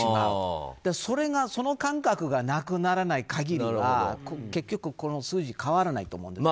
その感覚がなくならない限りは結局この数字、変わらないと思う。